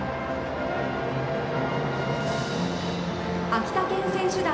秋田県選手団。